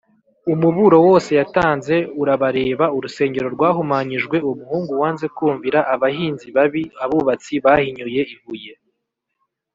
umuburo wose yatanze urabareba urusengero rwahumanyijwe, umuhungu wanze kumvira, abahinzi babi, abubatsi bahinyuye ibuye,